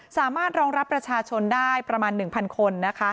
สามารถรองรับประชาชนได้ประมาณ๑๐๐คนนะคะ